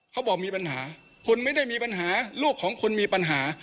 เขาบอกมีปัญหาคุณไม่ได้มีปัญหาลูกของคุณมีปัญหา